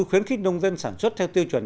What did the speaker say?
khuyến khích nông dân sản xuất theo tiêu chuẩn